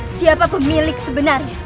siapa pemilik sebenarnya